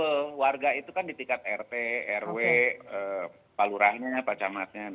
keluarga itu kan di tingkat rt rw pelurahnya pacarmatnya